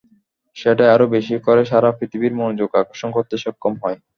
সেটাই আরও বেশি করে সারা পৃথিবীর মনোযোগ আকর্ষণ করতে সক্ষম হয়।